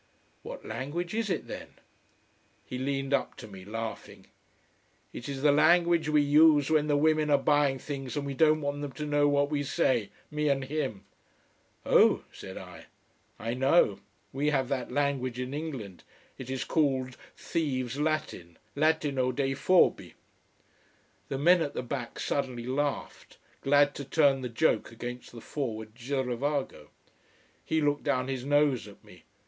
"What language is it then?" He leaned up to me, laughing. "It is the language we use when the women are buying things and we don't want them to know what we say: me and him " "Oh," said I. "I know. We have that language in England. It is called thieves Latin Latino dei furbi." The men at the back suddenly laughed, glad to turn the joke against the forward girovago. He looked down his nose at me.